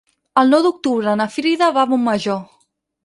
El nou d'octubre na Frida va a Montmajor.